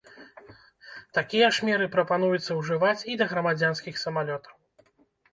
Такія ж меры прапануецца ўжываць і да грамадзянскіх самалётаў.